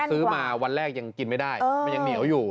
ซื้อมาวันแรกยังกินไม่ได้มันยังเหนียวอยู่